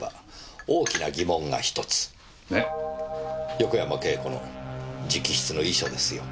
横山慶子の直筆の遺書ですよ。